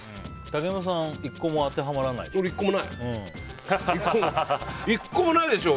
竹山さん１個も当てはまらないでしょ。